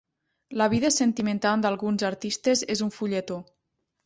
La vida sentimental d'alguns artistes és un fulletó.